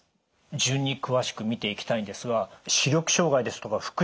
順に詳しく見ていきたいんですが視力障害ですとか複視目の異常なんですか？